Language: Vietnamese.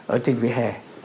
ở trên vẻ hẻ